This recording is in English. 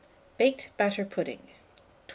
BAKED BATTER PUDDING. 1246.